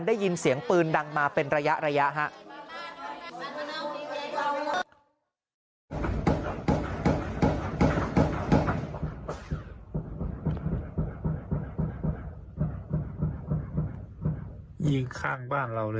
ได้ยินเสียงปืนดังมาเป็นระยะครับ